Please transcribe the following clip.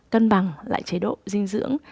cân bằng lại chế độ dinh dưỡng